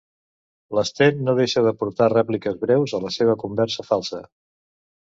L'Sten no deixa d'aportar rèpliques breus a la seva conversa falsa.